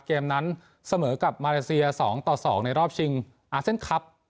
เกมนั้นเสมอกับมาเลเซีย๒ต่อ๒ในรอบชิงอาเซียนคลับ